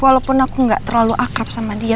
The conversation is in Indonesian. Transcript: walaupun aku gak terlalu akrab sama dia